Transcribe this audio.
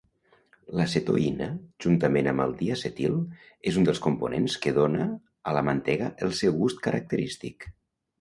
L'acetoïna, juntament amb el diacetil, és un dels components que dóna a la mantega el seu gust característic.